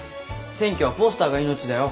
選挙はポスターが命だよ。